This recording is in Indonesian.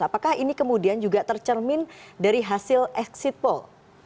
apakah ini kemudian juga tercermin dari hasil exit poll